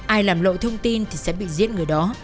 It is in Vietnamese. ai làm lộ thông tin thì sẽ bị giết người đó